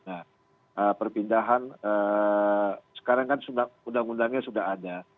nah perpindahan sekarang kan undang undangnya sudah ada